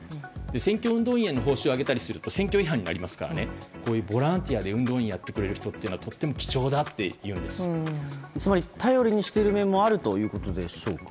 選挙運動員への報酬をあげたりすると選挙違反になりますからボランティアで運動員をやってくれる人はつまり、頼りにしている面もあるということでしょうか？